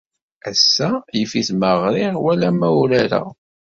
Ass-a yif-it ma ɣriɣ wala ma urareɣ.